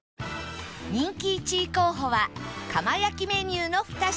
人気１位候補は窯焼きメニューの２品